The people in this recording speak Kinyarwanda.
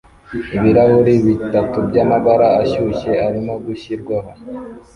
Ibirahuri bitatu byamabara ashyushye arimo gushyirwaho